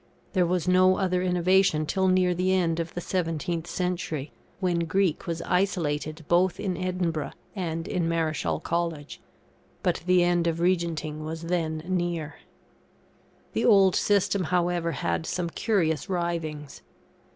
There was no other innovation till near the end of the 17th century, when Greek was isolated both in Edinburgh and in Marischal College; but the end of Regenting was then near. The old system, however, had some curious writhings.